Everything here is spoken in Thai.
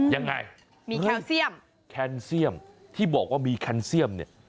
ยังไงมีแคนเซียมแคนเซียมที่บอกว่ามีแคนเซียมเนี่ย